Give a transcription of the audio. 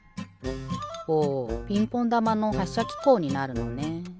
おピンポンだまのはっしゃきこうになるのね。